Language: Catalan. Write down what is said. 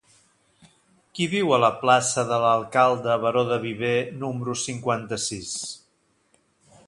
Qui viu a la plaça de l'Alcalde Baró de Viver número cinquanta-sis?